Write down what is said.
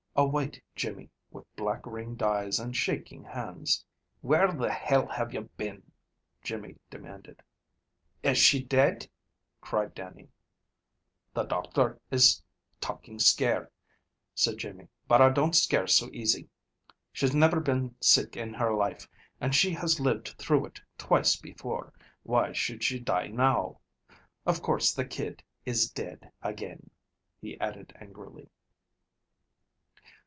A white Jimmy, with black ringed eyes and shaking hands. "Where the Hell have you been?" Jimmy demanded. "Is she dead?" cried Dannie. "The doctor is talking scare," said Jimmy. "But I don't scare so easy. She's never been sick in her life, and she has lived through it twice before, why should she die now? Of course the kid is dead again," he added angrily.